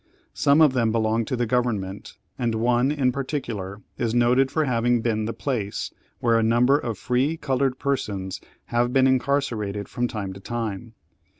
Some of them belong to the government, and one, in particular, is noted for having been the place where a number of free coloured persons have been incarcerated from time to time.